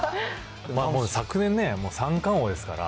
昨年ね、三冠王ですから。